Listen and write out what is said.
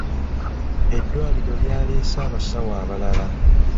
Eddwaliro lyaleese abasawo abalala.